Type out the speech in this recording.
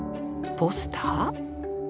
ポスター？